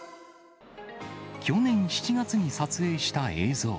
去年７月に撮影した映像。